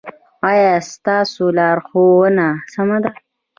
ایا ستاسو لارښوونه سمه ده؟